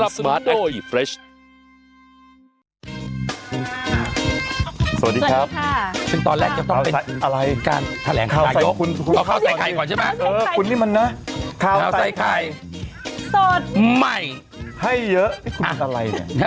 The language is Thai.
สวัสดีครับสวัสดีค่ะจึงตอนแรกจะต้องเป็นอะไรการแถลงข้าวใส่ไข่ก่อนใช่ป่ะเออคุณนี่มันน่ะข้าวใส่ไข่สดใหม่ให้เยอะเอ๊ะคุณเป็นอะไรเนี่ย